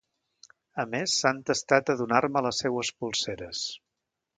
A més, s'ha entestat a donar-me les seues polseres!